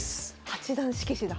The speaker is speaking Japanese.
八段色紙だ。